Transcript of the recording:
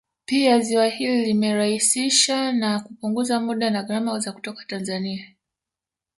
Pia ziwa hili limerahisishsa na kupunguza muda na gharama za kutoka Tanzania